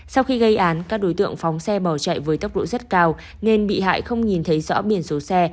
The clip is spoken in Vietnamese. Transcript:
sau khi gây án các đối tượng phóng xe bỏ chạy với tốc độ rất cao nên bị hại không nhìn thấy rõ biển số xe